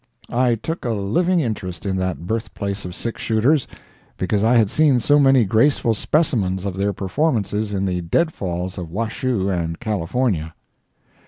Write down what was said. I took a living interest in that birth place of six shooters, because I had seen so many graceful specimens of their performances in the deadfalls of Washoe and California.